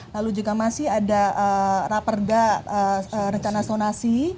lalu juga masih ada raperda rencana sonasi